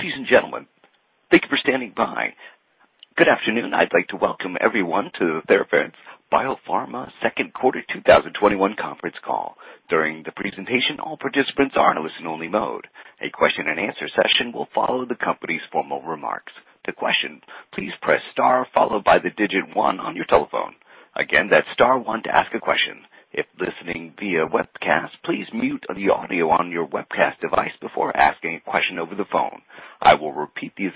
Ladies and gentlemen, thank you for standing by. Good afternoon. I'd like to welcome everyone to the Theravance Biopharma second quarter 2021 conference call. During the presentation, all participants are in a listen only mode. A question and answer session will follow the company's formal remarks. To question, please press star followed by the digit 1 on your telephone. Again, that's star 1 to ask a question. If listening via webcast, please mute the audio on your webcast device before asking a question over the phone. I will repeat these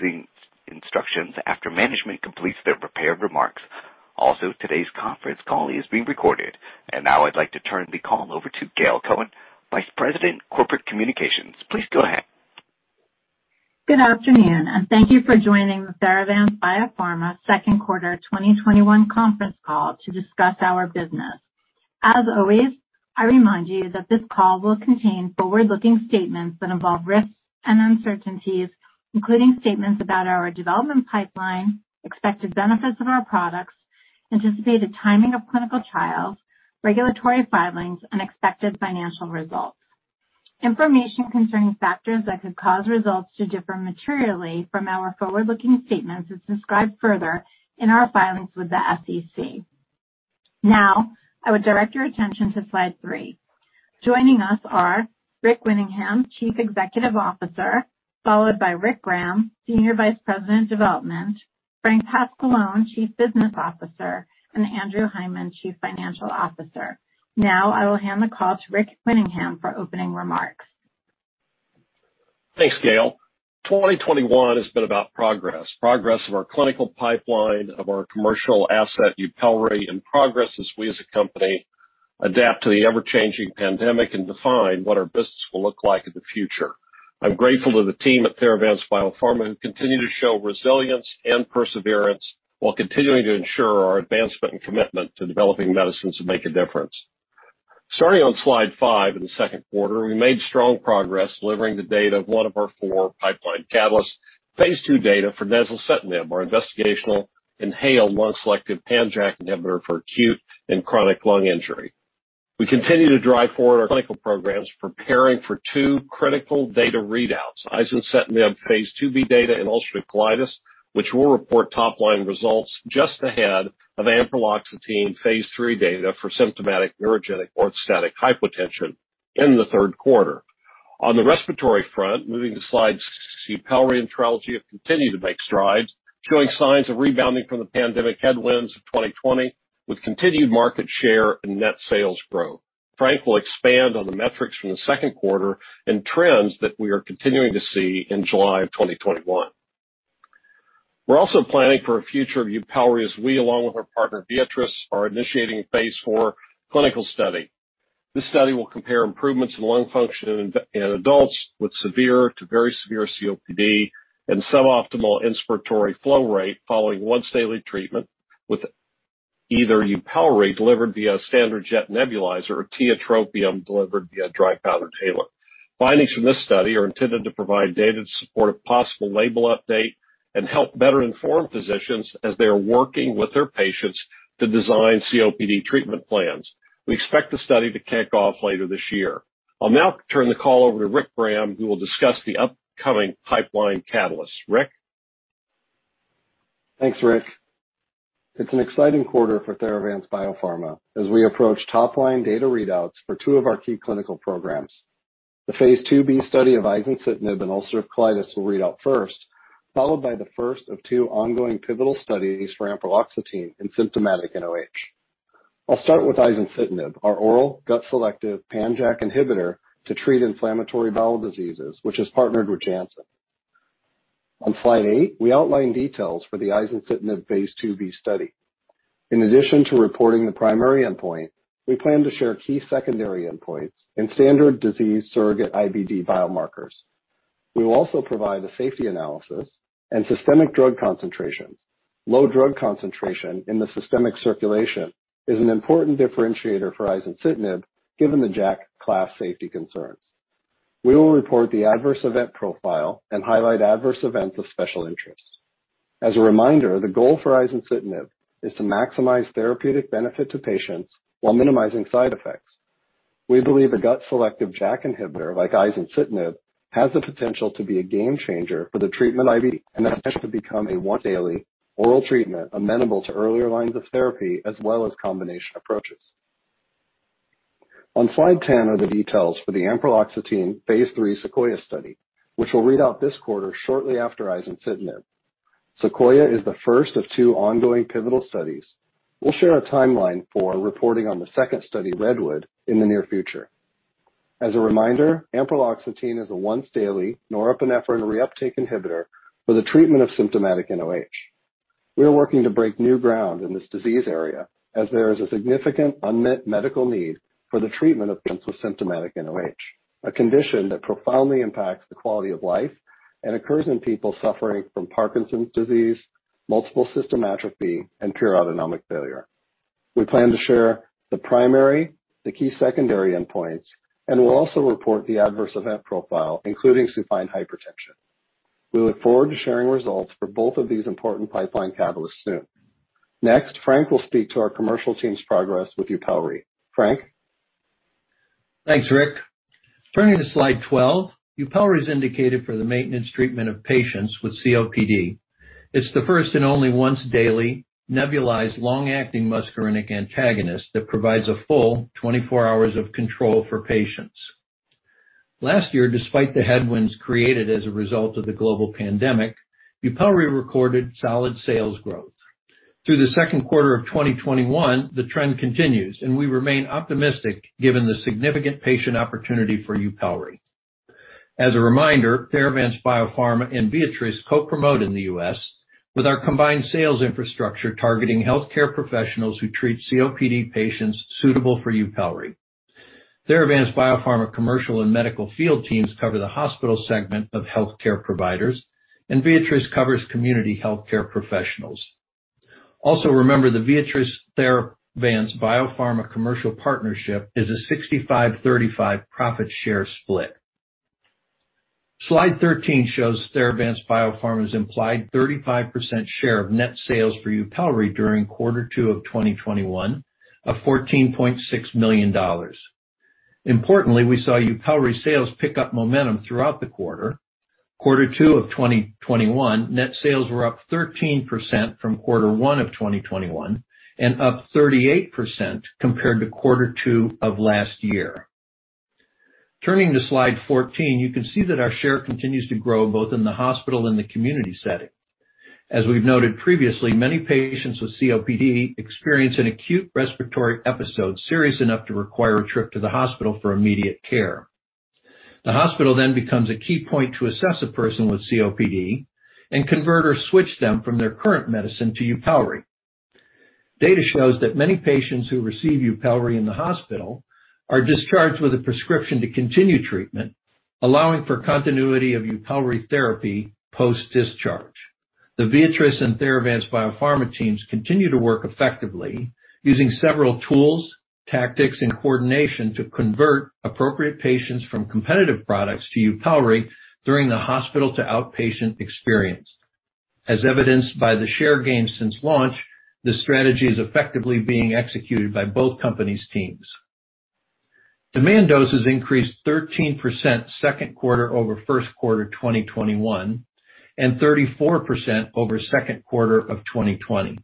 instructions after management completes their prepared remarks. Also, today's conference call is being recorded. Now I'd like to turn the call over to Gail Cohen, Vice President, Corporate Communications. Please go ahead. Good afternoon, thank you for joining Theravance Biopharma second quarter 2021 conference call to discuss our business. As always, I remind you that this call will contain forward-looking statements that involve risks and uncertainties, including statements about our development pipeline, expected benefits of our products, anticipated timing of clinical trials, regulatory filings, and expected financial results. Information concerning factors that could cause results to differ materially from our forward-looking statements is described further in our filings with the SEC. I would direct your attention to slide 3. Joining us are Rick Winningham, Chief Executive Officer, followed by Rick Graham, Senior Vice President of Development, Frank Pasqualone, Chief Business Officer, and Andrew Hindman, Chief Financial Officer. I will hand the call to Rick Winningham for opening remarks. Thanks, Gail. 2021 has been about progress. Progress of our clinical pipeline, of our commercial asset, YUPELRI, and progress as we as a company adapt to the ever-changing pandemic and define what our business will look like in the future. I'm grateful to the team at Theravance Biopharma, who continue to show resilience and perseverance while continuing to ensure our advancement and commitment to developing medicines that make a difference. Starting on slide 5, in the second quarter, we made strong progress delivering the data of one of our 4 pipeline catalysts. phase II data for nezulcitinib, our investigational inhaled lung-selective pan-JAK inhibitor for acute and chronic lung injury. We continue to drive forward our clinical programs, preparing for 2 critical data readouts. izencitinib phase 2b data in ulcerative colitis, which will report top-line results just ahead of ampreloxetine phase III data for symptomatic neurogenic orthostatic hypotension in the third quarter. On the respiratory front, moving to slide 6, YUPELRI and Trelegy have continued to make strides, showing signs of rebounding from the pandemic headwinds of 2020 with continued market share and net sales growth. Frank will expand on the metrics from the second quarter and trends that we are continuing to see in July of 2021. We're also planning for a future of YUPELRI as we, along with our partner Viatris, are initiating a phase IV clinical study. This study will compare improvements in lung function in adults with severe to very severe COPD and suboptimal inspiratory flow rate following once-daily treatment with either YUPELRI delivered via standard jet nebulizer or tiotropium delivered via dry powder inhaler. Findings from this study are intended to provide data to support a possible label update and help better inform physicians as they are working with their patients to design COPD treatment plans. We expect the study to kick off later this year. I'll now turn the call over to Rick Graham, who will discuss the upcoming pipeline catalysts. Ric? Thanks, Rick. It's an exciting quarter for Theravance Biopharma as we approach top-line data readouts for two of our key clinical programs. The phase IIB study of izencitinib in Ulcerative Colitis will read out first, followed by the first of two ongoing pivotal studies for ampreloxetine in symptomatic NOH. I'll start with izencitinib, our oral gut-selective JAK inhibitor to treat inflammatory bowel diseases, which is partnered with Janssen. On slide eight, we outline details for the izencitinib phase IIB study. In addition to reporting the primary endpoint, we plan to share key secondary endpoints and standard disease surrogate IBD biomarkers. We will also provide a safety analysis and systemic drug concentrations. Low drug concentration in the systemic circulation is an important differentiator for izencitinib given the JAK class safety concerns. We will report the adverse event profile and highlight adverse events of special interest. As a reminder, the goal for izencitinib is to maximize therapeutic benefit to patients while minimizing side effects. We believe a gut-selective JAK inhibitor like izencitinib has the potential to be a game changer for the treatment of IBD and has the potential to become a once daily oral treatment amenable to earlier lines of therapy as well as combination approaches. On slide 10 are the details for the ampreloxetine phase III SEQUOIA study, which will read out this quarter shortly after izencitinib. SEQUOIA is the first of two ongoing pivotal studies. We'll share a timeline for reporting on the second study, REDWOOD, in the near future. As a reminder, ampreloxetine is a once daily norepinephrine reuptake inhibitor for the treatment of symptomatic NOH. We are working to break new ground in this disease area as there is a significant unmet medical need for the treatment of symptoms of symptomatic NOH, a condition that profoundly impacts the quality of life and occurs in people suffering from Parkinson's disease, multiple system atrophy, and pure autonomic failure. We plan to share the primary, the key secondary endpoints, and we'll also report the adverse event profile, including supine hypertension. We look forward to sharing results for both of these important pipeline catalysts soon. Next, Frank will speak to our commercial team's progress with YUPELRI. Frank? Thanks, Ric. Turning to slide 12, YUPELRI is indicated for the maintenance treatment of patients with COPD. It's the first and only once-daily nebulized long-acting muscarinic antagonist that provides a full 24 hours of control for patients. Last year, despite the headwinds created as a result of the global pandemic, YUPELRI recorded solid sales growth. Through the second quarter of 2021, the trend continues, we remain optimistic given the significant patient opportunity for YUPELRI. As a reminder, Theravance Biopharma and Viatris co-promote in the U.S. with our combined sales infrastructure targeting healthcare professionals who treat COPD patients suitable for YUPELRI. Theravance Biopharma commercial and medical field teams cover the hospital segment of healthcare providers, Viatris covers community healthcare professionals. Also remember, the Viatris-Theravance Biopharma commercial partnership is a 65/35 profit share split. Slide 13 shows Theravance Biopharma's implied 35% share of net sales for YUPELRI during Q2 of 2021 of $14.6 million. Importantly, we saw YUPELRI sales pick up momentum throughout the quarter. Quarter two of 2021, net sales were up 13% from quarter one of 2021 and up 38% compared to quarter two of last year. Turning to slide 14, you can see that our share continues to grow both in the hospital and the community setting. As we've noted previously, many patients with COPD experience an acute respiratory episode serious enough to require a trip to the hospital for immediate care. The hospital then becomes a key point to assess a person with COPD and convert or switch them from their current medicine to YUPELRI. Data shows that many patients who receive YUPELRI in the hospital are discharged with a prescription to continue treatment, allowing for continuity of YUPELRI therapy post-discharge. The Viatris and Theravance Biopharma teams continue to work effectively using several tools, tactics, and coordination to convert appropriate patients from competitive products to YUPELRI during the hospital-to-outpatient experience. As evidenced by the share gain since launch, this strategy is effectively being executed by both companies' teams. Demanded doses increased 13% second quarter over first quarter 2021, and 34% over second quarter of 2020.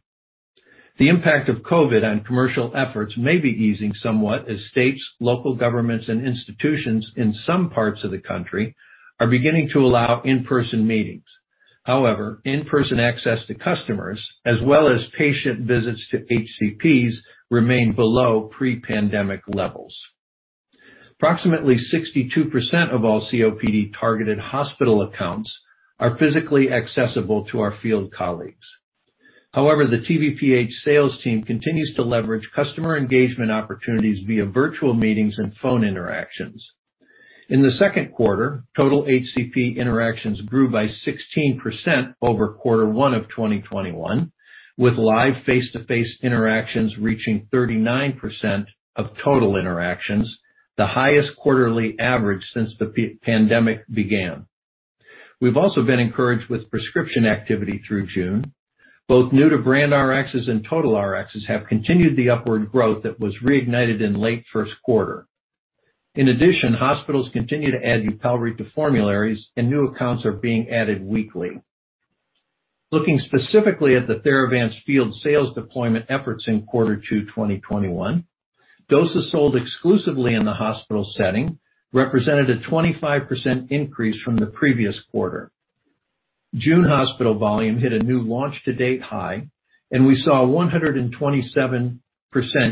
The impact of COVID on commercial efforts may be easing somewhat as states, local governments, and institutions in some parts of the country are beginning to allow in-person meetings. However, in-person access to customers, as well as patient visits to HCPs, remain below pre-pandemic levels. Approximately 62% of all COPD-targeted hospital accounts are physically accessible to our field colleagues. The TBPH sales team continues to leverage customer engagement opportunities via virtual meetings and phone interactions. In the second quarter, total HCP interactions grew by 16% over quarter one of 2021, with live face-to-face interactions reaching 39% of total interactions, the highest quarterly average since the pandemic began. We've also been encouraged with prescription activity through June. Both new-to-brand Rx's and total Rx's have continued the upward growth that was reignited in late first quarter. Hospitals continue to add YUPELRI to formularies, and new accounts are being added weekly. Looking specifically at the Theravance field sales deployment efforts in Q2 2021, doses sold exclusively in the hospital setting represented a 25% increase from the previous quarter. June hospital volume hit a new launch to date high. We saw 127%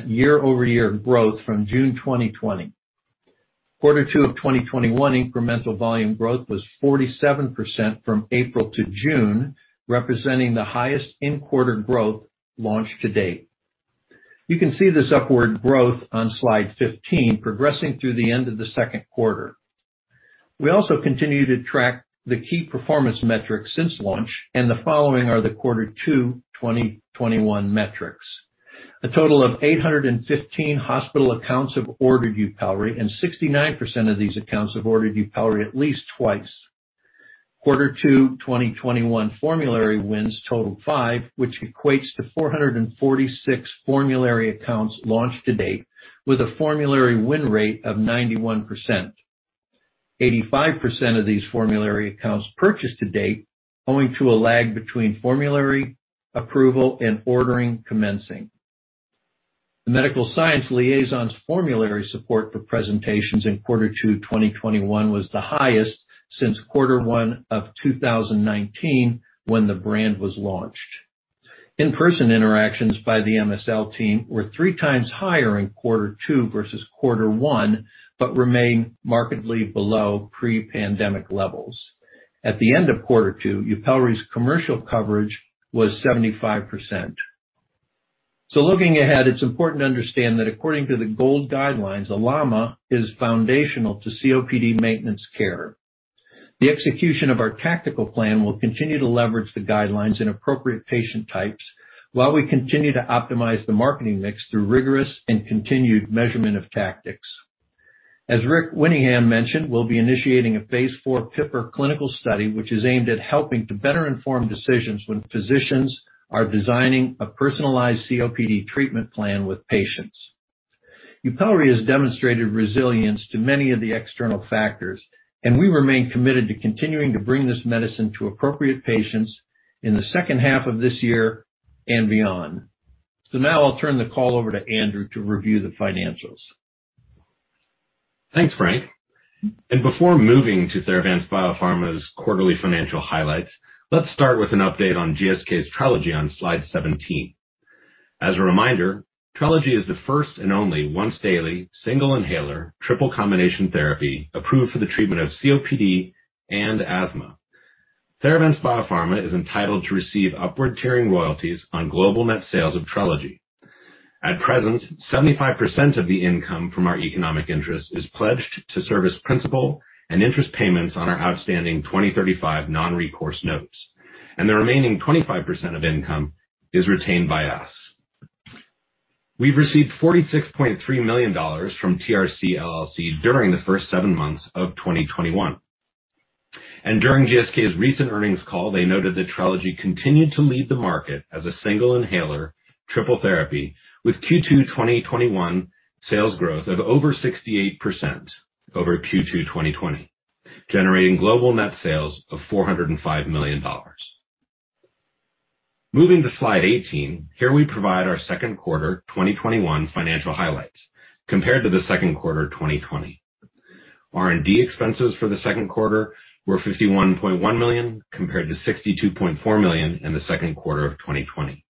year-over-year growth from June 2020. Q2 2021 incremental volume growth was 47% from April to June, representing the highest in-quarter growth launched to date. You can see this upward growth on slide 15 progressing through the end of the Q2. We also continue to track the key performance metrics since launch, and the following are the Q2 2021 metrics. A total of 815 hospital accounts have ordered YUPELRI, and 69% of these accounts have ordered YUPELRI at least twice. Q2 2021 formulary wins totaled five, which equates to 446 formulary accounts launched to date, with a formulary win rate of 91%. 85% of these formulary accounts purchased to date owing to a lag between formulary approval and ordering commencing. The medical science liaisons formulary support for presentations in Q2 2021 was the highest since Q1 2019 when the brand was launched. In-person interactions by the MSL team were 3x higher in quarter two versus quarter one but remain markedly below pre-pandemic levels. At the end of quarter two, YUPELRI's commercial coverage was 75%. Looking ahead, it's important to understand that according to the GOLD guidelines, a LAMA is foundational to COPD maintenance care. The execution of our tactical plan will continue to leverage the guidelines in appropriate patient types while we continue to optimize the marketing mix through rigorous and continued measurement of tactics. As Rick Winningham mentioned, we'll be initiating a phase IV PIPER clinical study, which is aimed at helping to better inform decisions when physicians are designing a personalized COPD treatment plan with patients. YUPELRI has demonstrated resilience to many of the external factors, and we remain committed to continuing to bring this medicine to appropriate patients in the second half of this year and beyond. Now I'll turn the call over to Andrew to review the financials. Thanks, Frank. Before moving to Theravance Biopharma's quarterly financial highlights, let's start with an update on GSK's Trelegy on slide 17. As a reminder, Trelegy is the first and only once-daily, single-inhaler, triple-combination therapy approved for the treatment of COPD and asthma. Theravance Biopharma is entitled to receive upward-tiering royalties on global net sales of Trelegy. At present, 75% of the income from our economic interest is pledged to service principal and interest payments on our outstanding 2035 non-recourse notes. The remaining 25% of income is retained by us. We've received $46.3 million from TRC LLC during the first seven months of 2021. During GSK's recent earnings call, they noted that Trelegy continued to lead the market as a single-inhaler triple therapy with Q2 2021 sales growth of over 68% over Q2 2020, generating global net sales of $405 million. Moving to slide 18, here we provide our second quarter 2021 financial highlights compared to the second quarter 2020. R&D expenses for the second quarter were $51.1 million, compared to $62.4 million in the second quarter of 2020.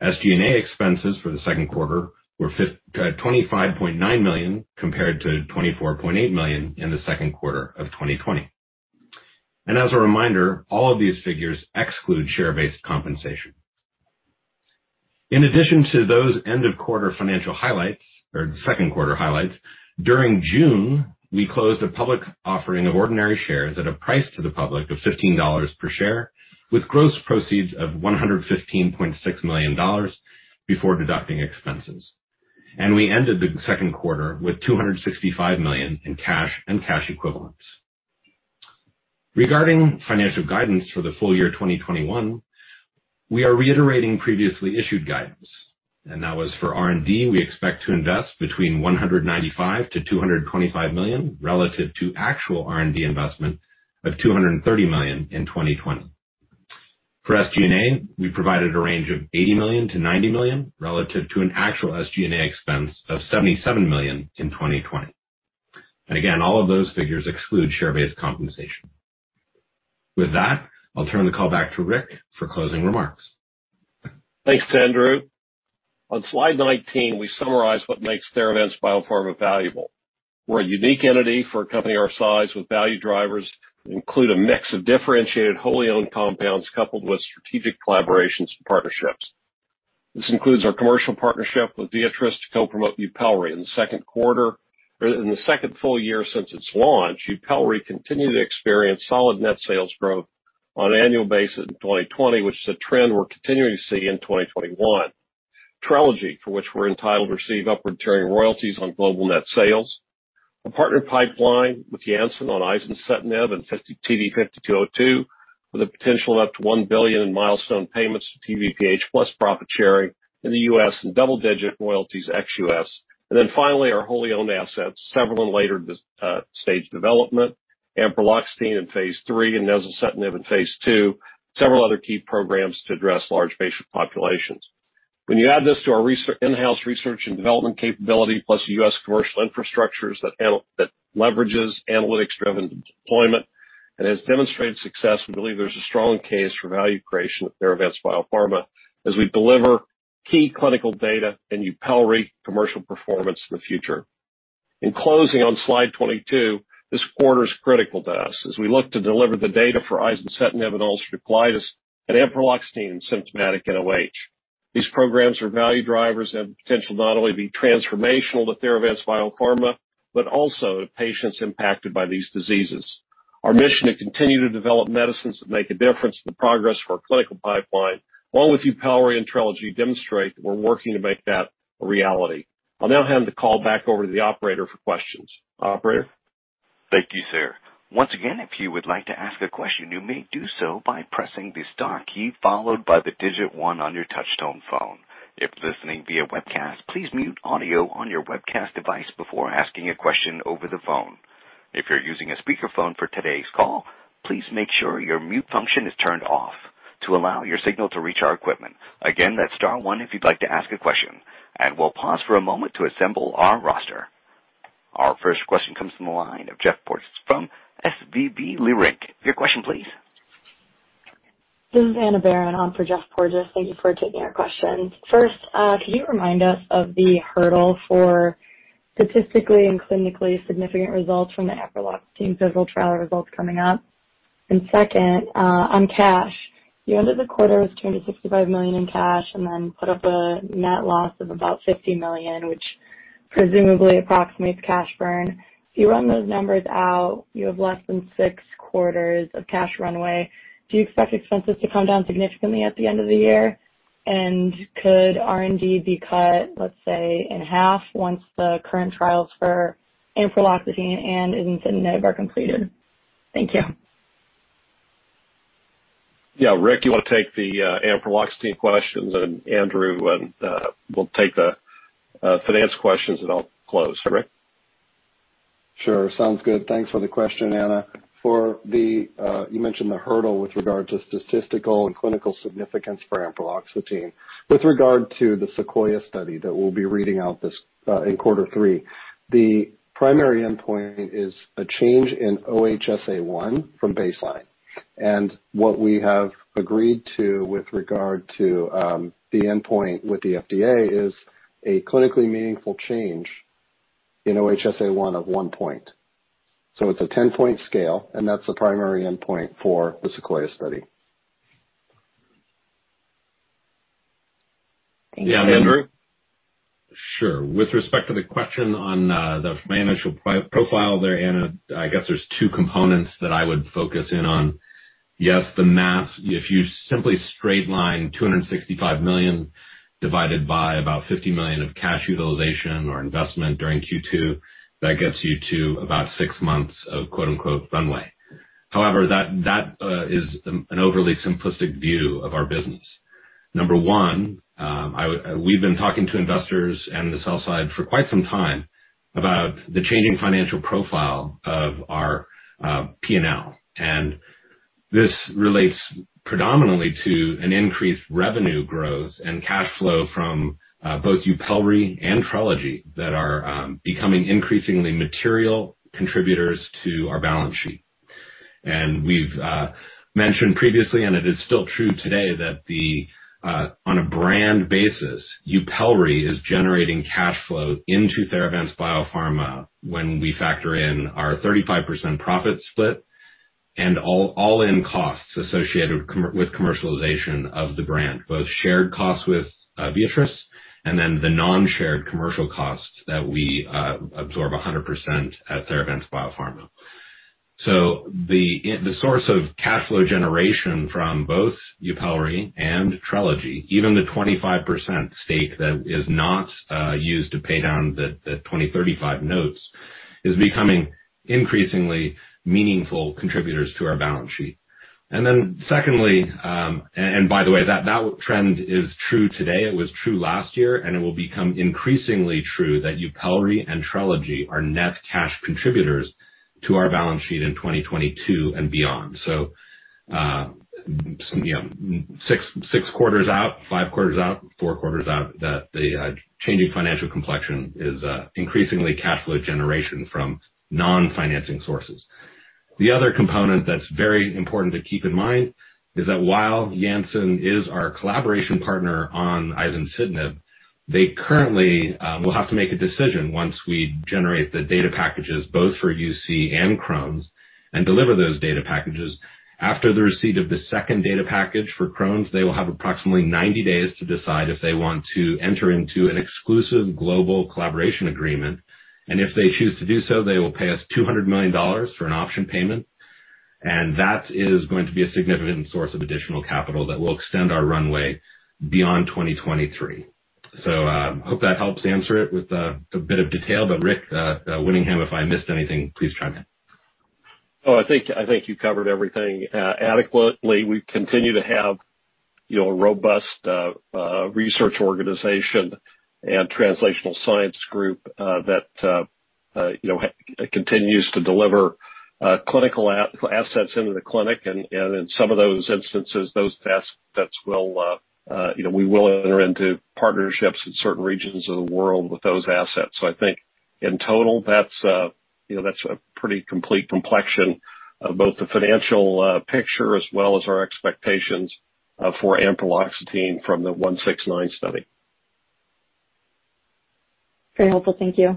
SG&A expenses for the second quarter were $25.9 million, compared to $24.8 million in the second quarter of 2020. As a reminder, all of these figures exclude share-based compensation. In addition to those end of quarter financial highlights or the second quarter highlights, during June, we closed a public offering of ordinary shares at a price to the public of $15 per share, with gross proceeds of $115.6 million before deducting expenses. We ended the second quarter with $265 million in cash and cash equivalents. Regarding financial guidance for the full year 2021, we are reiterating previously issued guidance. That was for R&D, we expect to invest between $195 million-$225 million relative to actual R&D investment of $230 million in 2020. For SG&A, we provided a range of $80 million-$90 million relative to an actual SG&A expense of $77 million in 2020. Again, all of those figures exclude share-based compensation. With that, I'll turn the call back to Rick for closing remarks. Thanks, Andrew. On slide 19, we summarize what makes Theravance Biopharma valuable. We're a unique entity for a company our size, with value drivers that include a mix of differentiated wholly owned compounds, coupled with strategic collaborations and partnerships. This includes our commercial partnership with Viatris to co-promote YUPELRI. In the second full year since its launch, YUPELRI continued to experience solid net sales growth on an annual basis in 2020, which is a trend we're continuing to see in 2021. Trelegy, for which we're entitled to receive upward-tiering royalties on global net sales. A partnered pipeline with Janssen on izencitinib and TD-5202 with a potential of up to $1 billion in milestone payments to TBPH, plus profit sharing in the U.S. and double-digit royalties ex-U.S. Finally, our wholly owned assets, several in later stage development. ampreloxetine in Phase III and izencitinib in Phase II. Several other key programs to address large patient populations. When you add this to our in-house research and development capability, plus the U.S. commercial infrastructures that leverages analytics-driven deployment and has demonstrated success, we believe there's a strong case for value creation at Theravance Biopharma as we deliver key clinical data and YUPELRI commercial performance in the future. On slide 22, this quarter is critical to us as we look to deliver the data for izencitinib in ulcerative colitis and ampreloxetine in symptomatic nOH. These programs are value drivers and have the potential to not only be transformational to Theravance Biopharma, but also to patients impacted by these diseases. Our mission to continue to develop medicines that make a difference in the progress for our clinical pipeline, along with YUPELRI and Trelegy, demonstrate that we're working to make that a reality. I'll now hand the call back over to the operator for questions. Operator? Thank you, sir. Once again, if you would like to ask a question, you may do so by pressing the star key followed by the one on your touch-tone phone. If listening via webcast, please mute audio on your webcast device before asking a question over the phone. If you're using a speakerphone for today's call, please make sure your mute function is turned off to allow your signal to reach our equipment. Again, that's star one if you'd like to ask a question, and we'll pause for a moment to assemble our roster. Our first question comes from the line of Geoffrey Porges from SVB Leerink. Your question please. This is Anna Baran on for Geoffrey Porges. Thank you for taking our questions. First, can you remind us of the hurdle for statistically and clinically significant results from the ampreloxetine pivotal trial results coming up? Second, on cash, you ended the quarter with $265 million in cash and then put up a net loss of about $50 million, which presumably approximates cash burn. If you run those numbers out, you have less than six quarters of cash runway. Do you expect expenses to come down significantly at the end of the year? Could R&D be cut, let's say, in half once the current trials for ampreloxetine and izencitinib are completed? Thank you. Yeah. Rick, you want to take the ampreloxetine questions, and Andrew will take the finance questions, then I'll close. Rick? Sure. Sounds good. Thanks for the question, Anna. You mentioned the hurdle with regard to statistical and clinical significance for ampreloxetine. With regard to the SEQUOIA study that we'll be reading out in Q3, the primary endpoint is a change in OHSA-1 from baseline. What we have agreed to with regard to the endpoint with the FDA is a clinically meaningful change in OHSA-1 of 1 point. It's a 10-point scale, and that's the primary endpoint for the SEQUOIA study. Thank you. Yeah. Andrew? Sure. With respect to the question on the financial profile there, Anna, I guess there's two components that I would focus in on. Yes, the math, if you simply straight line $265 million divided by about $50 million of cash utilization or investment during Q2, that gets you to about 6 months of quote-unquote "runway." That is an overly simplistic view of our business. Number 1, we've been talking to investors and the sell side for quite some time about the changing financial profile of our P&L. This relates predominantly to an increased revenue growth and cash flow from both YUPELRI and Trelegy that are becoming increasingly material contributors to our balance sheet. We've mentioned previously, and it is still true today, that on a brand basis, YUPELRI is generating cash flow into Theravance Biopharma when we factor in our 35% profit split and all-in costs associated with commercialization of the brand, both shared costs with ViiV Healthcare and then the non-shared commercial costs that we absorb 100% at Theravance Biopharma. The source of cash flow generation from both YUPELRI and Trelegy, even the 25% stake that is not used to pay down the 2035 notes, is becoming increasingly meaningful contributors to our balance sheet. Secondly. By the way, that trend is true today, it was true last year, and it will become increasingly true that YUPELRI and Trelegy are net cash contributors to our balance sheet in 2022 and beyond. 6 quarters out, 5 quarters out, 4 quarters out, that the changing financial complexion is increasingly cash flow generation from non-financing sources. The other component that's very important to keep in mind is that while Janssen is our collaboration partner on izencitinib, they currently will have to make a decision once we generate the data packages both for UC and Crohn's, and deliver those data packages. After the receipt of the second data package for Crohn's, they will have approximately 90 days to decide if they want to enter into an exclusive global collaboration agreement. If they choose to do so, they will pay us $200 million for an option payment, and that is going to be a significant source of additional capital that will extend our runway beyond 2023. Hope that helps answer it with a bit of detail. Rick Winningham, if I missed anything, please chime in. I think you covered everything adequately. We continue to have a robust research organization and translational science group that continues to deliver clinical assets into the clinic. In some of those instances, those assets, we will enter into partnerships in certain regions of the world with those assets. I think in total, that's a pretty complete complexion of both the financial picture as well as our expectations for ampreloxetine from the 169 study. Very helpful. Thank you.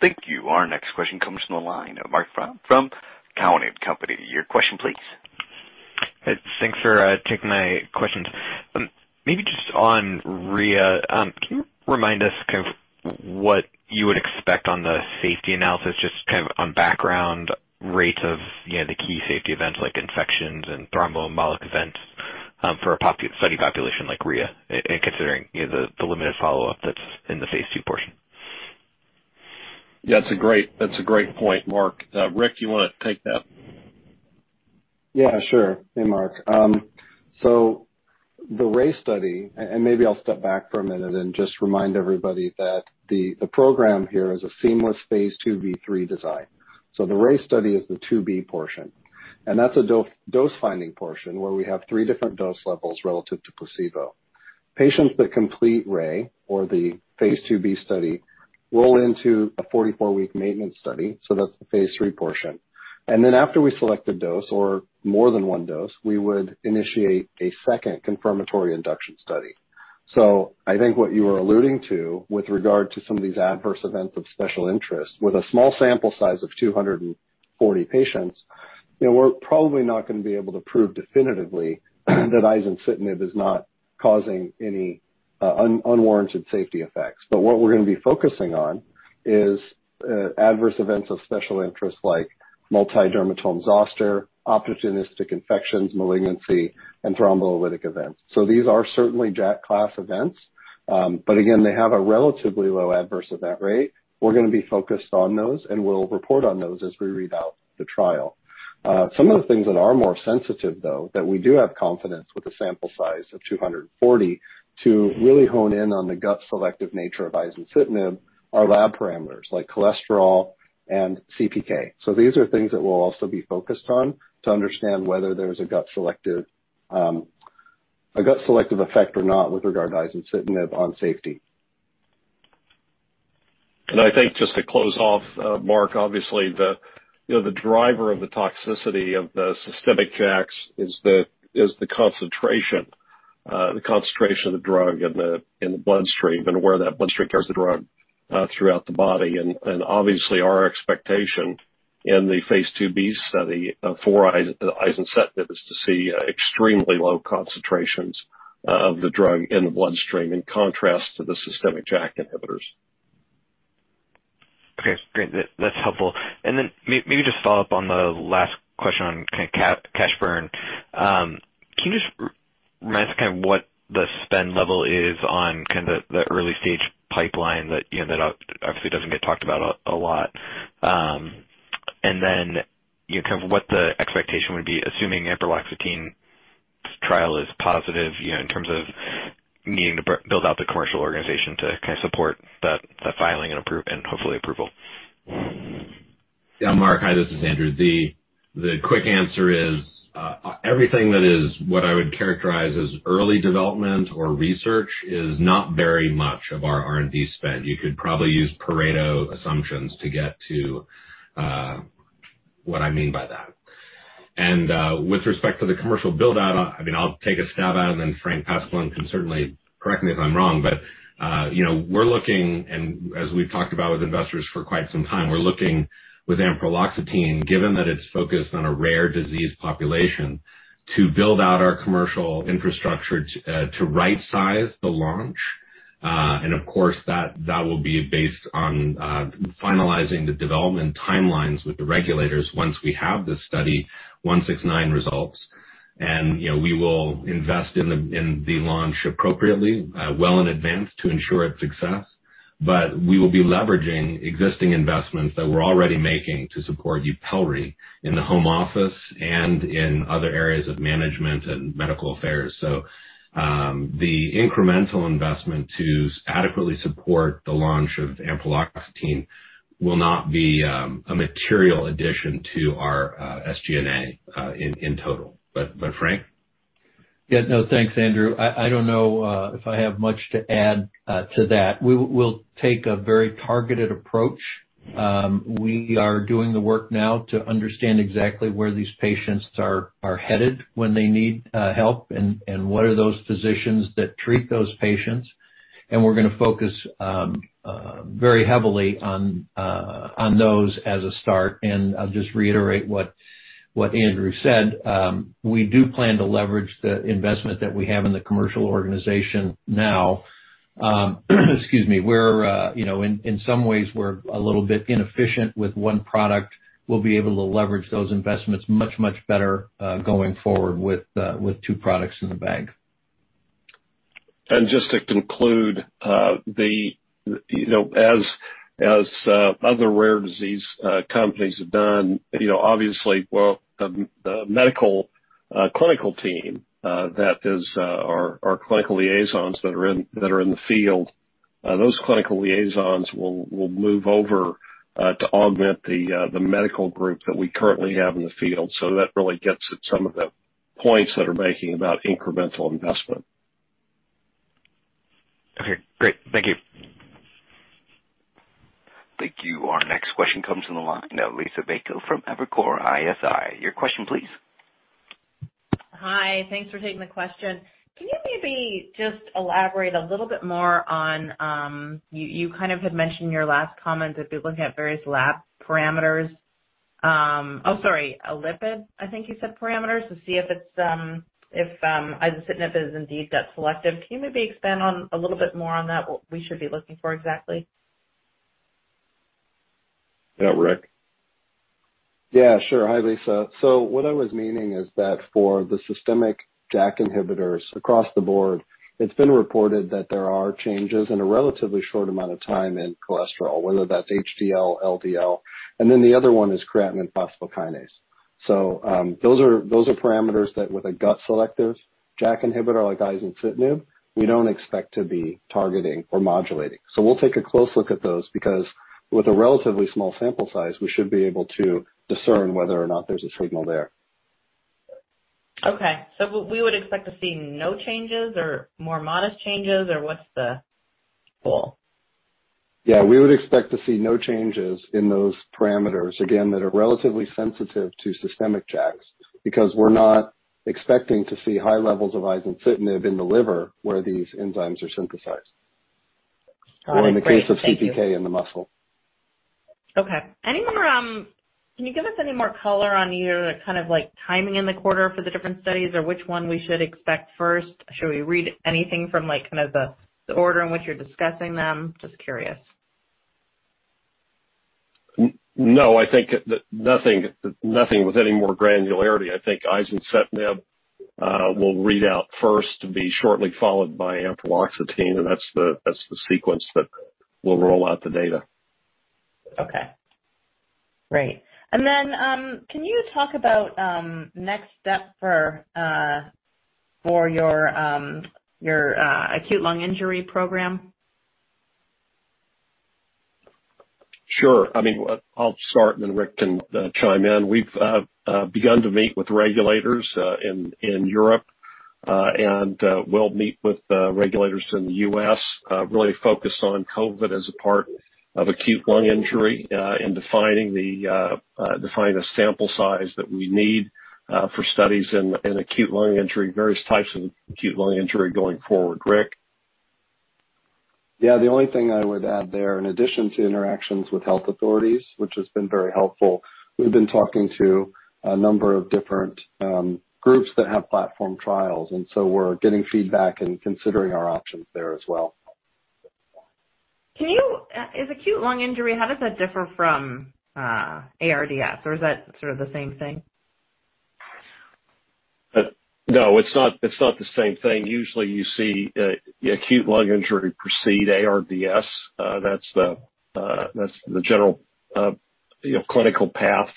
Thank you. Our next question comes from the line of Marc Frahm from Cowen and Company. Your question please. Thanks for taking my questions. Maybe just on RHEA, can you remind us kind of what you would expect on the safety analysis, just kind of on background rates of the key safety events like infections and thromboembolic events for a study population like RHEA, and considering the limited follow-up that's in the phase II portion? Yeah, that's a great point, Marc. Rick, you want to take that? Sure. Hey, Marc. The RHEA study, and maybe I'll step back for a minute and just remind everybody that the program here is a seamless phase 2b/3 design. The RHEA study is the 2b portion, and that's a dose-finding portion where we have three different dose levels relative to placebo. Patients that complete RHEA or the phase 2b study roll into a 44-week maintenance study, so that's the phase 3 portion. After we select a dose or more than one dose, we would initiate a second confirmatory induction study. I think what you are alluding to with regard to some of these adverse events of special interest with a small sample size of 240 patients, we're probably not going to be able to prove definitively that izencitinib is not causing any unwarranted safety effects. What we're going to be focusing on is adverse events of special interest like multi-dermatome zoster, opportunistic infections, malignancy, and thromboembolic events. These are certainly JAK class events. Again, they have a relatively low adverse event rate. We're going to be focused on those, and we'll report on those as we read out the trial. Some of the things that are more sensitive, though, that we do have confidence with a sample size of 240 to really hone in on the gut selective nature of izencitinib are lab parameters like cholesterol and CPK. These are things that we'll also be focused on to understand whether there's a gut selective effect or not with regard to izencitinib on safety. I think just to close off, Marc, obviously the driver of the toxicity of the systemic JAKs is the concentration of the drug in the bloodstream and where that bloodstream carries the drug throughout the body. Obviously our expectation in the phase 2b study of four izencitinib is to see extremely low concentrations of the drug in the bloodstream, in contrast to the systemic JAK inhibitors. Okay, great. That's helpful. Then maybe just follow up on the last question on cash burn. Can you just remind us kind of what the spend level is on the early-stage pipeline that obviously doesn't get talked about a lot? Then, what the expectation would be, assuming the ampreloxetine trial is positive, in terms of needing to build out the commercial organization to support that filing and hopefully approval. Marc. Hi, this is Andrew. The quick answer is everything that is what I would characterize as early development or research is not very much of our R&D spend. You could probably use Pareto assumptions to get to what I mean by that. With respect to the commercial build out, I'll take a stab at it, and then Frank Pasqualone can certainly correct me if I'm wrong, but we're looking, and as we've talked about with investors for quite some time, we're looking with ampreloxetine, given that it's focused on a rare disease population, to build out our commercial infrastructure to right size the launch. Of course, that will be based on finalizing the development timelines with the regulators once we have the study 169 results. We will invest in the launch appropriately well in advance to ensure its success. We will be leveraging existing investments that we're already making to support YUPELRI in the home office and in other areas of management and medical affairs. The incremental investment to adequately support the launch of ampreloxetine will not be a material addition to our SG&A in total. Frank? Yeah. No, thanks, Andrew. I don't know if I have much to add to that. We'll take a very targeted approach. We are doing the work now to understand exactly where these patients are headed when they need help and what are those physicians that treat those patients. We're going to focus very heavily on those as a start. I'll just reiterate what Andrew said. We do plan to leverage the investment that we have in the commercial organization now. Excuse me. In some ways, we're a little bit inefficient with one product. We'll be able to leverage those investments much, much better going forward with two products in the bank. Just to conclude. As other rare disease companies have done, obviously, the medical clinical team, that is our clinical liaisons that are in the field, those clinical liaisons will move over to augment the medical group that we currently have in the field. That really gets at some of the points that are making about incremental investment. Okay, great. Thank you. Thank you. Our next question comes on the line now. Liisa Bayko from Evercore ISI. Your question, please. Hi. Thanks for taking the question. Can you maybe just elaborate a little bit more on, you kind of had mentioned your last comment that you're looking at various lab parameters. Oh, sorry, lipid, I think you said parameters to see if izencitinib is indeed gut selective. Can you maybe expand on a little bit more on that, what we should be looking for exactly? Yeah. Rick? Sure. Hi, Liisa. What I was meaning is that for the systemic JAK inhibitors across the board, it's been reported that there are changes in a relatively short amount of time in cholesterol, whether that's HDL, LDL, and then the other one is creatine phosphokinase. Those are parameters that with a gut selective JAK inhibitor like izencitinib, we don't expect to be targeting or modulating. We'll take a close look at those because with a relatively small sample size, we should be able to discern whether or not there's a signal there. Okay. We would expect to see no changes or more modest changes or what's the goal? Yeah, we would expect to see no changes in those parameters, again, that are relatively sensitive to systemic JAKs because we're not expecting to see high levels of izencitinib in the liver where these enzymes are synthesized. All right. Great. Thank you. In the case of CPK in the muscle. Okay. Can you give us any more color on your timing in the quarter for the different studies, or which one we should expect first? Should we read anything from the order in which you're discussing them? Just curious. No, I think nothing with any more granularity. I think izencitinib will read out first, to be shortly followed by ampreloxetine. That's the sequence that we'll roll out the data. Okay. Great. Then, can you talk about next step for your acute lung injury program? Sure. I'll start, Rick can chime in. We've begun to meet with regulators in Europe, we'll meet with regulators in the U.S., really focused on COVID as a part of acute lung injury in defining the sample size that we need for studies in acute lung injury, various types of acute lung injury going forward. Rick? Yeah, the only thing I would add there, in addition to interactions with health authorities, which has been very helpful, we've been talking to a number of different groups that have platform trials, and so we're getting feedback and considering our options there as well. Is acute lung injury, how does that differ from ARDS, or is that sort of the same thing? No, it's not the same thing. Usually, you see acute lung injury precede ARDS. That's the general clinical path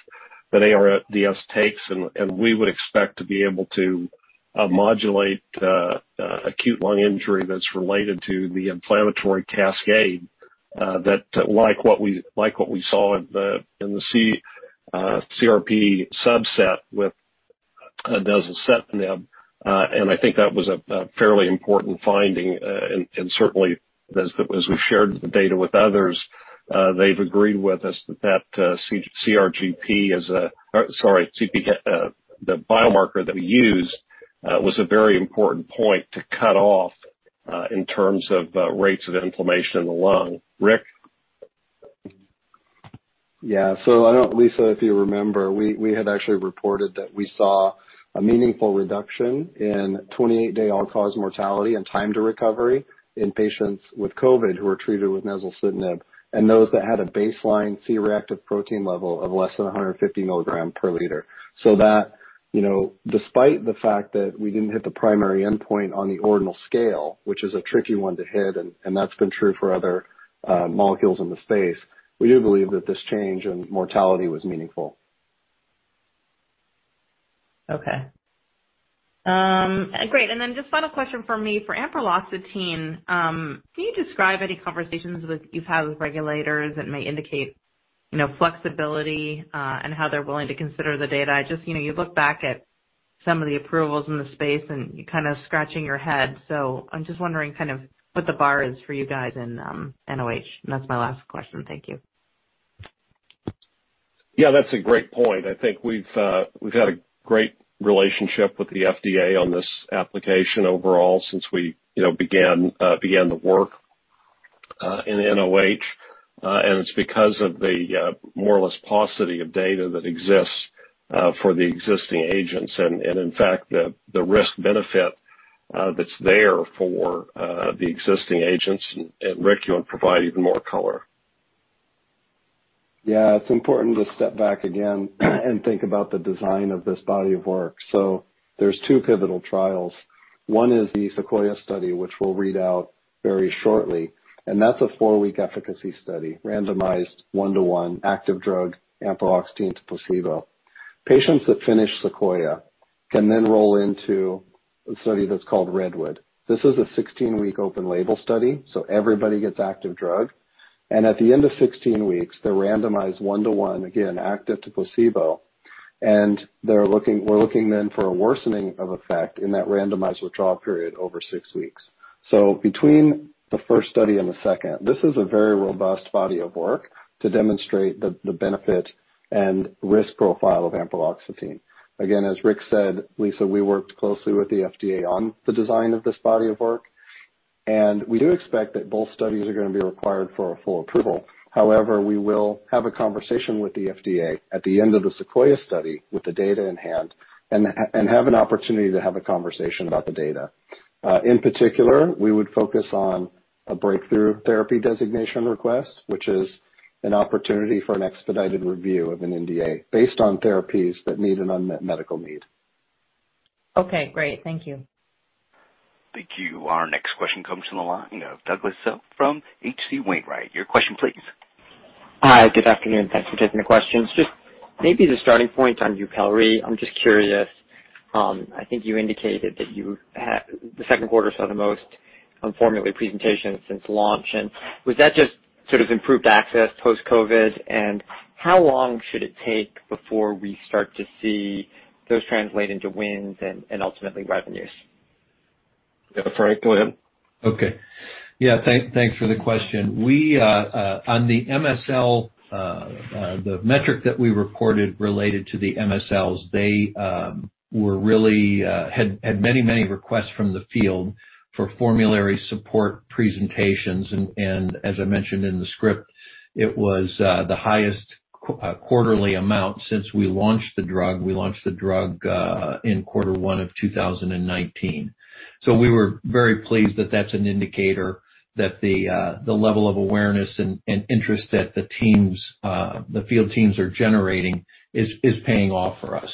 that ARDS takes, and we would expect to be able to modulate acute lung injury that's related to the inflammatory cascade, like what we saw in the CRP subset with izencitinib. I think that was a fairly important finding, and certainly as we shared the data with others, they've agreed with us that CPK. The biomarker that we used was a very important point to cut off in terms of rates of inflammation in the lung. Rick? Yeah. I don't know, Liisa, if you remember, we had actually reported that we saw a meaningful reduction in 28-day all-cause mortality and time to recovery in patients with COVID who were treated with izencitinib, and those that had a baseline C-reactive protein level of less than 150 mg/l. That despite the fact that we didn't hit the primary endpoint on the ordinal scale, which is a tricky one to hit, and that's been true for other molecules in the space, we do believe that this change in mortality was meaningful. Okay. Great. Then just final question from me. For ampreloxetine, can you describe any conversations you've had with regulators that may indicate flexibility and how they're willing to consider the data? You look back at some of the approvals in the space, you're kind of scratching your head. I'm just wondering what the bar is for you guys in nOH. That's my last question. Thank you. Yeah, that's a great point. I think we've had a great relationship with the FDA on this application overall since we began the work in the nOH. It's because of the more or less paucity of data that exists for the existing agents, and in fact, the risk-benefit that's there for the existing agents. Rick, you want to provide even more color. Yeah, it's important to step back again and think about the design of this body of work. There's 2 pivotal trials. One is the SEQUOIA study, which we'll read out very shortly, and that's a 4-week efficacy study, randomized 1-to-1 active drug ampreloxetine to placebo. Patients that finish SEQUOIA can roll into a study that's called REDWOOD. This is a 16-week open label study, everybody gets active drug. At the end of 16 weeks, they're randomized 1-to-1, again, active to placebo. We're looking for a worsening of effect in that randomized withdrawal period over 6 weeks. Between the first study and the second, this is a very robust body of work to demonstrate the benefit and risk profile of ampreloxetine. Again, as Rick said, Liisa, we worked closely with the FDA on the design of this body of work, and we do expect that both studies are going to be required for a full approval. However, we will have a conversation with the FDA at the end of the SEQUOIA study with the data in hand and have an opportunity to have a conversation about the data. In particular, we would focus on a Breakthrough Therapy designation request, which is an opportunity for an expedited review of an NDA based on therapies that meet an unmet medical need. Okay, great. Thank you. Thank you. Our next question comes from the line of Douglas Tsao from H.C. Wainwright. Your question, please. Hi, good afternoon. Thanks for taking the questions. Just maybe the starting point on YUPELRI, I'm just curious. I think you indicated that the second quarter saw the most formulary presentations since launch. Was that just sort of improved access post-COVID? How long should it take before we start to see those translate into wins and ultimately revenues? Yeah, Frank, go ahead. Okay. Yeah, thanks for the question. On the MSL, the metric that we reported related to the MSLs, they had many requests from the field for formulary support presentations, and as I mentioned in the script. It was the highest quarterly amount since we launched the drug. We launched the drug in quarter one of 2019. We were very pleased that that's an indicator that the level of awareness and interest that the field teams are generating is paying off for us.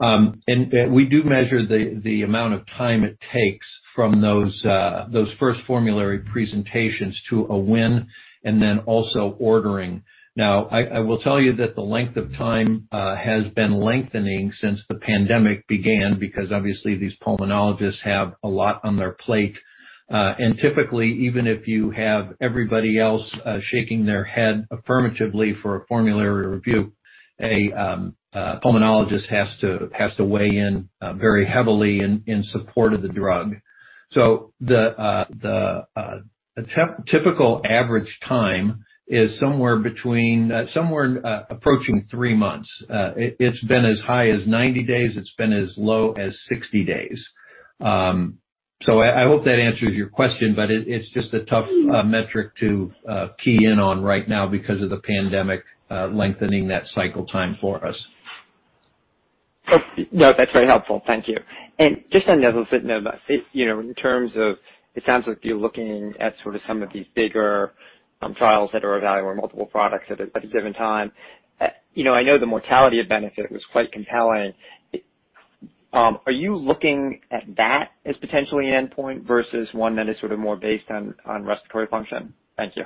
We do measure the amount of time it takes from those first formulary presentations to a win and then also ordering. Now, I will tell you that the length of time has been lengthening since the pandemic began because obviously these pulmonologists have a lot on their plate. Typically, even if you have everybody else shaking their head affirmatively for a formulary review, a pulmonologist has to weigh in very heavily in support of the drug. The typical average time is somewhere approaching three months. It's been as high as 90 days. It's been as low as 60 days. I hope that answers your question, but it's just a tough metric to key in on right now because of the pandemic lengthening that cycle time for us. No, that's very helpful. Thank you. Just on masitinib, in terms of, it sounds like you're looking at sort of some of these bigger trials that are evaluating multiple products at a given time. I know the mortality benefit was quite compelling. Are you looking at that as potentially an endpoint versus one that is sort of more based on respiratory function? Thank you.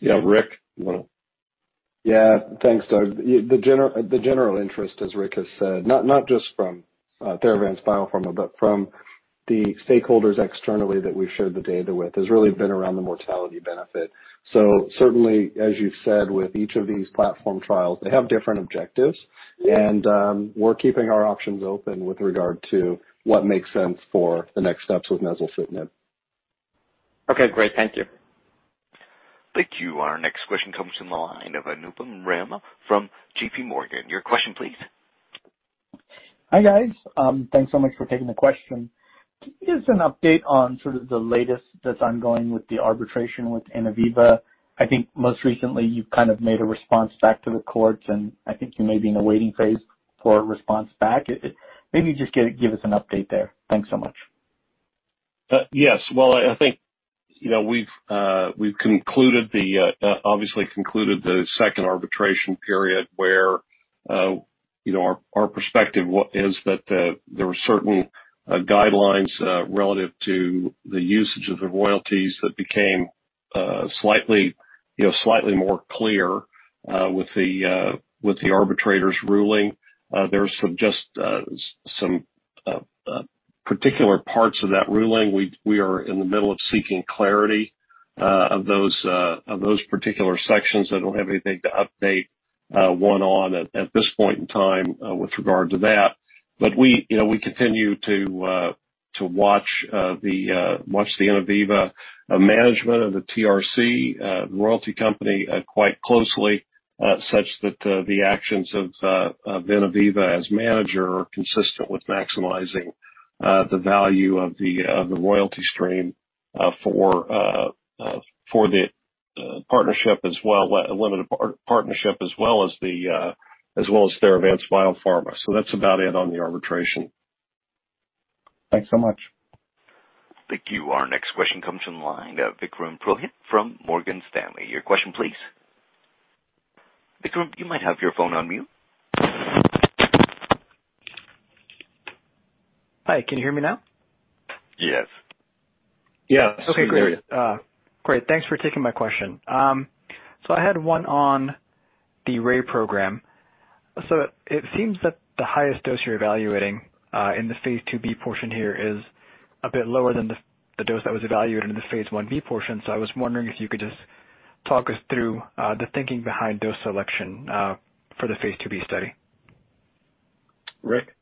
Yeah. Rick, you want to? Yeah. Thanks, Doug. The general interest, as Rick has said, not just from Theravance Biopharma, but from the stakeholders externally that we've shared the data with, has really been around the mortality benefit. Certainly, as you've said, with each of these platform trials, they have different objectives. We're keeping our options open with regard to what makes sense for the next steps with masitinib. Okay, great. Thank you. Thank you. Our next question comes from the line of Anupam Rama from J.P. Morgan. Your question, please. Hi, guys. Thanks so much for taking the question. Can you give us an update on sort of the latest that's ongoing with the arbitration with Innoviva? I think most recently you've kind of made a response back to the courts, and I think you may be in a waiting phase for a response back. Maybe just give us an update there. Thanks so much. Yes. Well, I think we've obviously concluded the second arbitration period where our perspective is that there were certain guidelines relative to the usage of the royalties that became slightly more clear with the arbitrator's ruling. There's just some particular parts of that ruling. We are in the middle of seeking clarity of those particular sections. I don't have anything to update one on at this point in time with regard to that. We continue to watch the Innoviva management of the TRC royalty company quite closely such that the actions of Innoviva as manager are consistent with maximizing the value of the royalty stream for the limited partnership as well as Theravance Biopharma. That's about it on the arbitration. Thanks so much. Thank you. Our next question comes from the line of Vikram Purohit from Morgan Stanley. Your question, please. Vikram, you might have your phone on mute. Hi, can you hear me now? Yes. Yes. Okay, great. Thanks for taking my question. I had 1 on the RHEA program. It seems that the highest dose you're evaluating in the phase 2b portion here is a bit lower than the dose that was evaluated in the phase 1b portion. I was wondering if you could just talk us through the thinking behind dose selection for the phase 2b study. Rick?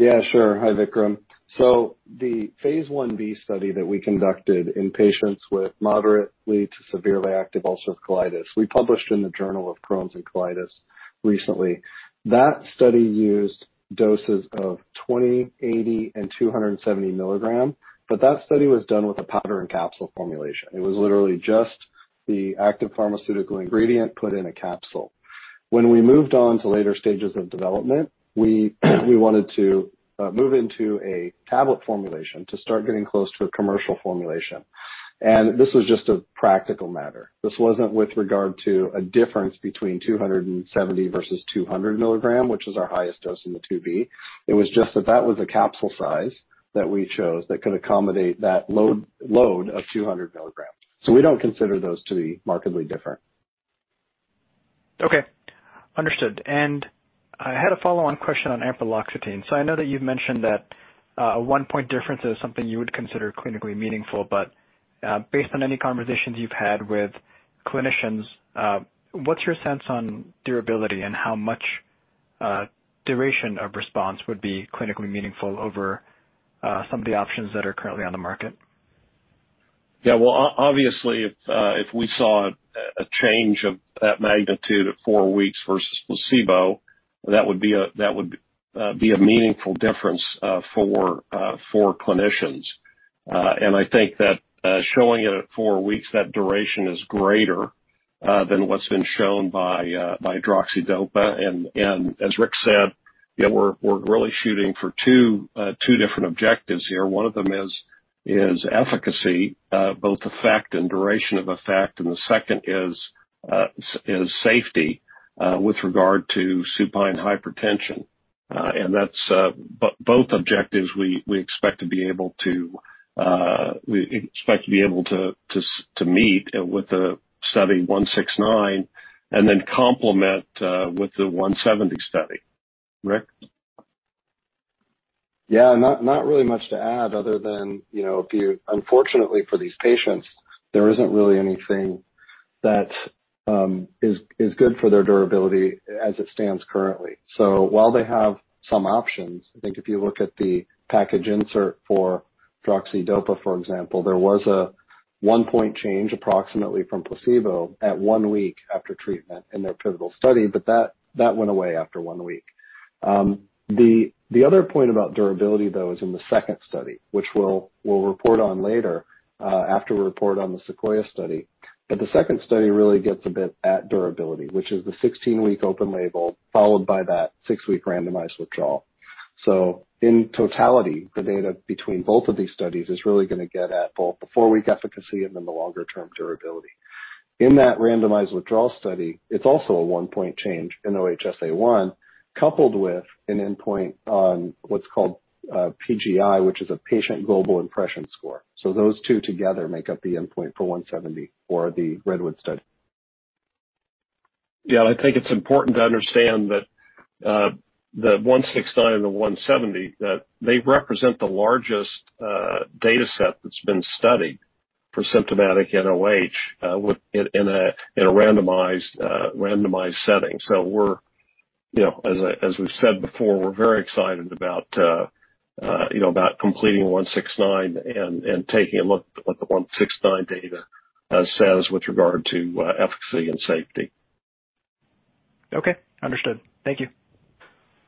Yeah, sure. Hi, Vikram. The phase 1b study that we conducted in patients with moderately to severely active ulcerative colitis, we published in the Journal of Crohn's and Colitis recently. That study used doses of 20 mg, 80 mg and 270 mg, but that study was done with a powder and capsule formulation. It was literally just the active pharmaceutical ingredient put in a capsule. When we moved on to later stages of development, we wanted to move into a tablet formulation to start getting close to a commercial formulation. This was just a practical matter. This wasn't with regard to a difference between 270 mg versus 200 mg, which is our highest dose in the phase 2b. It was just that that was a capsule size that we chose that could accommodate that load of 200 mg. We don't consider those to be markedly different. Okay. Understood. I had a follow-on question on ampreloxetine. I know that you've mentioned that a 1-point difference is something you would consider clinically meaningful, but based on any conversations you've had with clinicians, what's your sense on durability and how much duration of response would be clinically meaningful over some of the options that are currently on the market? Yeah. Well, obviously if we saw a change of that magnitude at 4 weeks versus placebo. That would be a meaningful difference for clinicians. I think that showing it at 4 weeks, that duration is greater than what's been shown by droxidopa. As Rick said, we're really shooting for 2 different objectives here. 1 of them is efficacy, both effect and duration of effect, and the second is safety with regard to supine hypertension. Both objectives we expect to be able to meet with the Study 169 and then complement with the 170 study. Rick? Yeah, not really much to add other than, unfortunately for these patients, there isn't really anything that is good for their durability as it stands currently. While they have some options, I think if you look at the package insert for droxidopa, for example, there was a 1-point change approximately from placebo at 1 week after treatment in their pivotal study, but that went away after 1 week. The other point about durability, though, is in the second study, which we'll report on later after we report on the SEQUOIA study. The second study really gets a bit at durability, which is the 16-week open label followed by that 6-week randomized withdrawal. In totality, the data between both of these studies is really going to get at both the 4-week efficacy and then the longer-term durability. In that randomized withdrawal study, it is also a 1-point change in OHSA #1 coupled with an endpoint on what's called PGI, which is a patient global impression score. Those two together make up the endpoint for 170 for the REDWOOD study. Yeah, I think it's important to understand that the 169 and the 170, that they represent the largest data set that's been studied for symptomatic nOH in a randomized setting. As we've said before, we're very excited about completing 169 and taking a look at what the 169 data says with regard to efficacy and safety. Okay, understood. Thank you.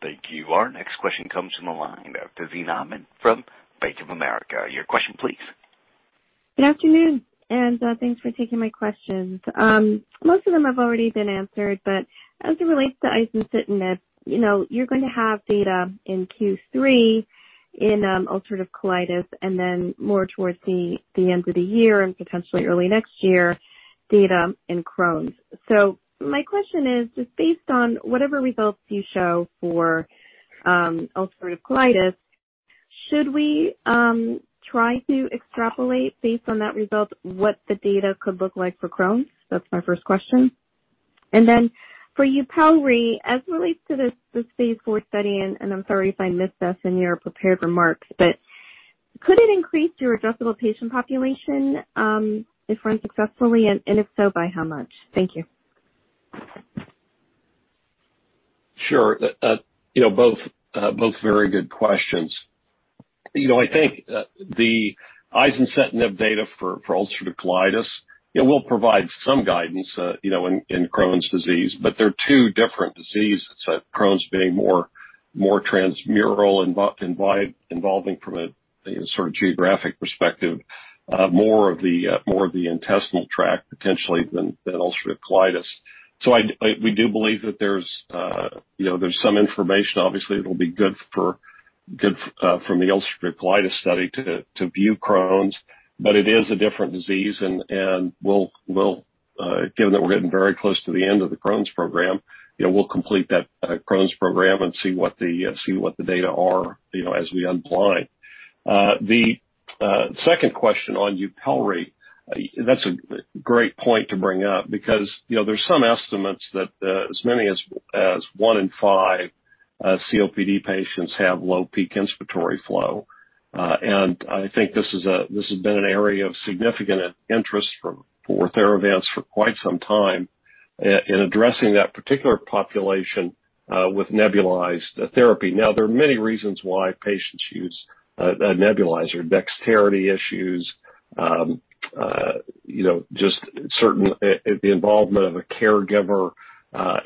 Thank you. Our next question comes from the line of Tazeen Ahmad from Bank of America. Your question please. Good afternoon, thanks for taking my questions. Most of them have already been answered. As it relates to izencitinib, you're going to have data in Q3 in ulcerative colitis and then more towards the end of the year and potentially early next year data in Crohn's. My question is just based on whatever results you show for ulcerative colitis, should we try to extrapolate based on that result what the data could look like for Crohn's? That's my first question. Then for YUPELRI, as it relates to this phase IV study, and I'm sorry if I missed this in your prepared remarks, but could it increase your addressable patient population if run successfully, and if so, by how much? Thank you. Sure. Both very good questions. I think the izencitinib data for ulcerative colitis will provide some guidance in Crohn's disease, but they're two different diseases. Crohn's being more transmural involving from a sort of geographic perspective more of the intestinal tract potentially than ulcerative colitis. We do believe that there's some information obviously that'll be good from the ulcerative colitis study to view Crohn's, but it is a different disease and given that we're getting very close to the end of the Crohn's program, we'll complete that Crohn's program and see what the data are as we unblind. The second question on YUPELRI, that's a great point to bring up because there's some estimates that as many as one in five COPD patients have low peak inspiratory flow. I think this has been an area of significant interest for Theravance Biopharma for quite some time in addressing that particular population with nebulized therapy. There are many reasons why patients use a nebulizer. Dexterity issues, just certain involvement of a caregiver,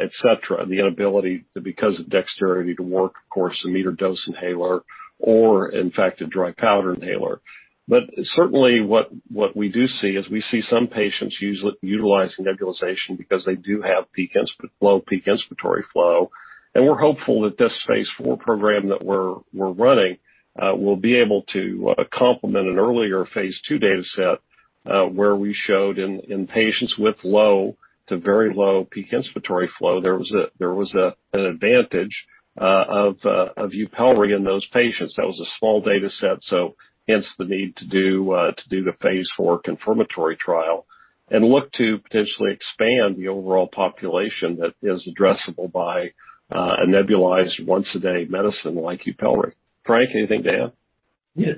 et cetera. The inability to because of dexterity to work, of course, a metered-dose inhaler or in fact a dry powder inhaler. Certainly what we do see is we see some patients utilizing nebulization because they do have low peak inspiratory flow. We're hopeful that this phase IV program that we're running will be able to complement an earlier phase II data set where we showed in patients with low to very low peak inspiratory flow, there was an advantage of YUPELRI in those patients. That was a small data set, hence the need to do the phase IV confirmatory trial and look to potentially expand the overall population that is addressable by a nebulized once-a-day medicine like YUPELRI. Frank, anything to add? Yeah.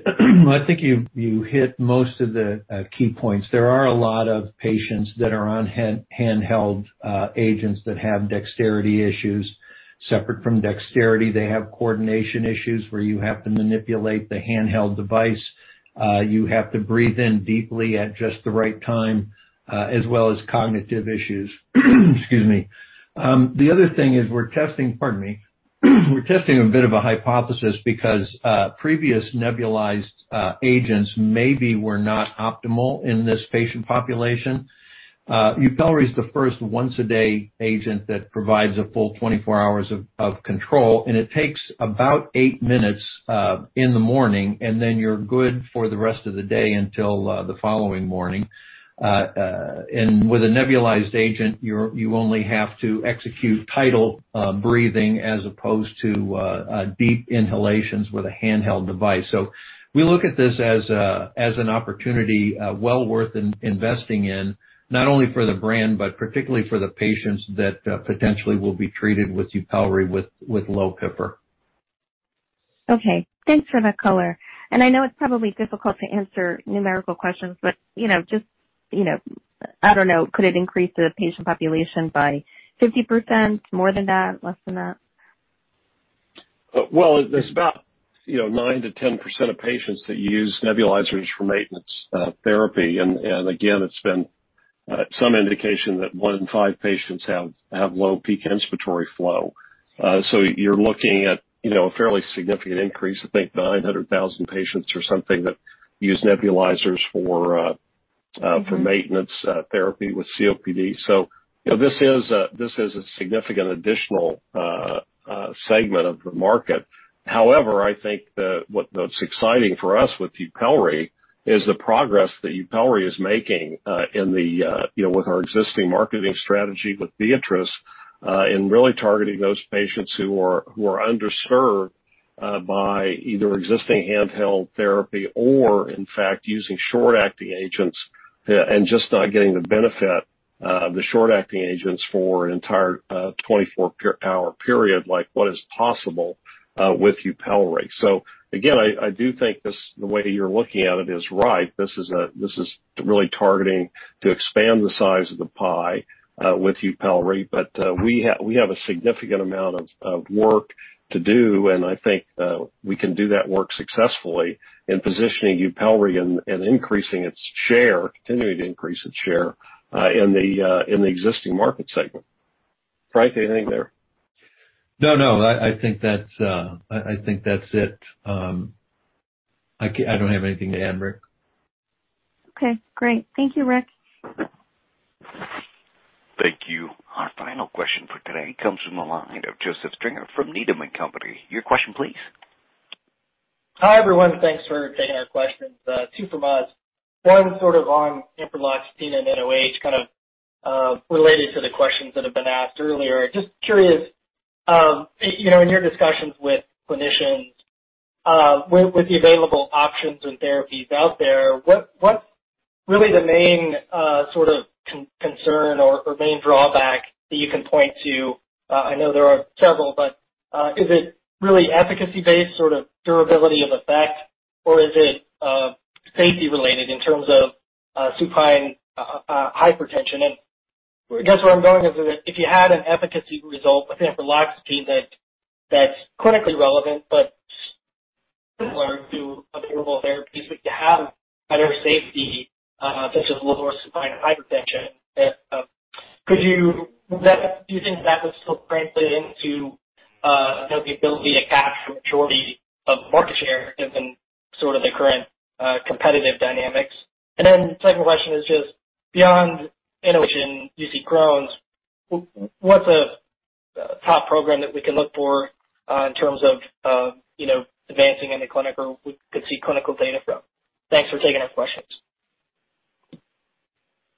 I think you hit most of the key points. There are a lot of patients that are on handheld agents that have dexterity issues. Separate from dexterity, they have coordination issues where you have to manipulate the handheld device. You have to breathe in deeply at just the right time as well as cognitive issues. Excuse me. The other thing is we're testing, pardon me. We're testing a bit of a hypothesis because previous nebulized agents maybe were not optimal in this patient population. YUPELRI is the first once-a-day agent that provides a full 24 hours of control, and it takes about 8 minutes in the morning, and then you're good for the rest of the day until the following morning. With a nebulized agent, you only have to execute tidal breathing as opposed to deep inhalations with a handheld device. We look at this as an opportunity well worth investing in, not only for the brand, but particularly for the patients that potentially will be treated with YUPELRI with low PIER. Okay. Thanks for that color. I know it's probably difficult to answer numerical questions, but just, I don't know, could it increase the patient population by 50%? More than that? Less than that? There's about 9%-10% of patients that use nebulizers for maintenance therapy. Again, it's been some indication that 1 in 5 patients have low peak inspiratory flow. You're looking at a fairly significant increase, I think 900,000 patients or something, that use nebulizers for maintenance therapy with COPD. This is a significant additional segment of the market. However, I think what's exciting for us with YUPELRI is the progress that YUPELRI is making with our existing marketing strategy with Viatris, in really targeting those patients who are underserved by either existing handheld therapy or, in fact, using short-acting agents and just not getting the benefit of the short-acting agents for an entire 24-hour period like what is possible with YUPELRI. Again, I do think the way you're looking at it is right. This is really targeting to expand the size of the pie with YUPELRI. We have a significant amount of work to do, and I think we can do that work successfully in positioning YUPELRI and increasing its share, continuing to increase its share, in the existing market segment. Frank, anything there? No. I think that's it. I don't have anything to add, Rick. Okay, great. Thank you, Rick. Thank you. Our final question for today comes from the line of Joseph Stringer from Needham & Company. Your question please. Hi, everyone. Thanks for taking our questions. Two from us. One sort of on ampreloxetine and nOH, kind of related to the questions that have been asked earlier. Just curious, in your discussions with clinicians, with the available options and therapies out there, what's really the main sort of concern or main drawback that you can point to? I know there are several. Is it really efficacy-based, sort of durability of effect, or is it safety-related in terms of supine hypertension? I guess where I'm going is if you had an efficacy result with ampreloxetine that's clinically relevant but similar to available therapies, but you have better safety, such as lower supine hypertension, do you think that would still translate into the ability to capture a majority of the market share given sort of the current competitive dynamics? Second question is just beyond UC, Crohn's. What's a top program that we can look for in terms of advancing in the clinic or we could see clinical data from? Thanks for taking our questions.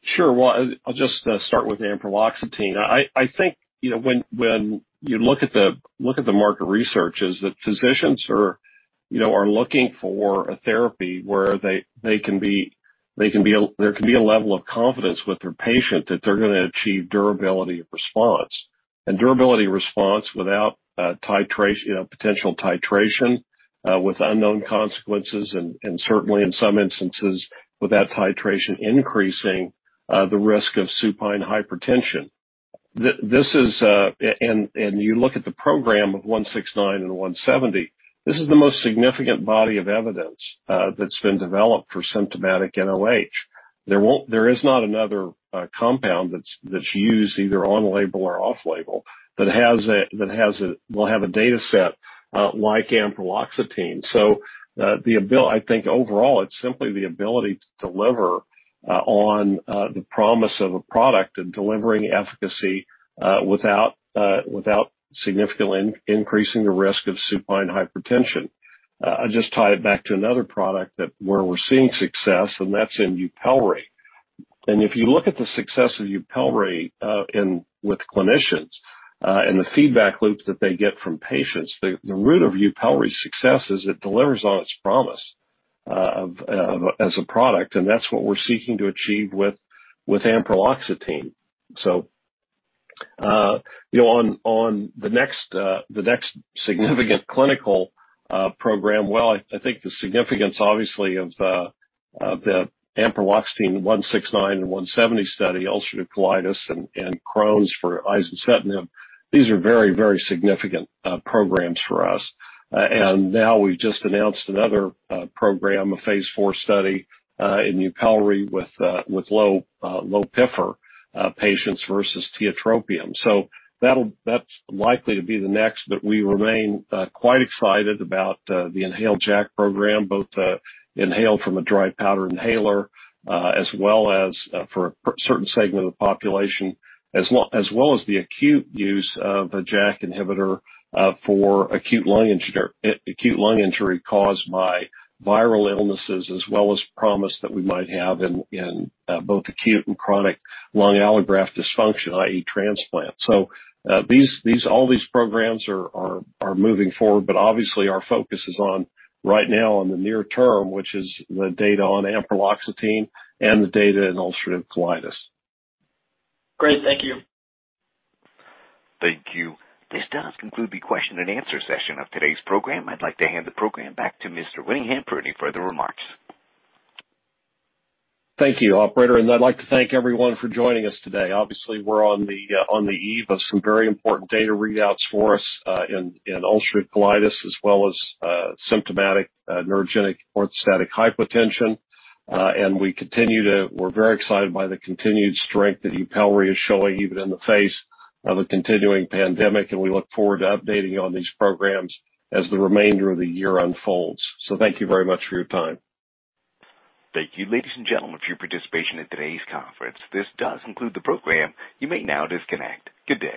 Sure. Well, I'll just start with ampreloxetine. I think when you look at the market researches, that physicians are looking for a therapy where there can be a level of confidence with their patient that they're going to achieve durability of response. Durability of response without potential titration with unknown consequences and, certainly in some instances, without titration increasing the risk of supine hypertension. You look at the program of 169 and 170, this is the most significant body of evidence that's been developed for symptomatic nOH. There is not another compound that's used either on-label or off-label that will have a data set like ampreloxetine. I think overall it's simply the ability to deliver on the promise of a product and delivering efficacy without significantly increasing the risk of supine hypertension. I just tied it back to another product where we're seeing success, and that's in YUPELRI. If you look at the success of YUPELRI with clinicians and the feedback loop that they get from patients, the root of YUPELRI's success is it delivers on its promise as a product, and that's what we're seeking to achieve with ampreloxetine. On the next significant clinical program, well, I think the significance, obviously, of the ampreloxetine 169 and 170 study, ulcerative colitis and Crohn's for izencitinib, these are very significant programs for us. Now we've just announced another program, a phase IV study in YUPELRI with low PIFR patients versus tiotropium, so that's likely to be the next. We remain quite excited about the inhaled JAK program, both inhaled from a dry powder inhaler for a certain segment of the population, as well as the acute use of a JAK inhibitor for acute lung injury caused by viral illnesses, as well as promise that we might have in both acute and chronic lung allograft dysfunction, i.e. transplant. All these programs are moving forward, but obviously our focus is on right now on the near term, which is the data on ampreloxetine and the data in ulcerative colitis. Great. Thank you. Thank you. This does conclude the question and answer session of today's program. I'd like to hand the program back to Mr. Winningham for any further remarks. Thank you, operator. I'd like to thank everyone for joining us today. Obviously, we're on the eve of some very important data readouts for us in ulcerative colitis as well as symptomatic neurogenic orthostatic hypotension. We're very excited by the continued strength that YUPELRI is showing even in the face of a continuing pandemic, and we look forward to updating you on these programs as the remainder of the year unfolds. Thank you very much for your time. Thank you, ladies and gentlemen, for your participation in today's conference. This does conclude the program. You may now disconnect. Good day.